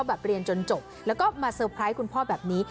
แบบเรียนจนจบแล้วก็มาเตอร์ไพรส์คุณพ่อแบบนี้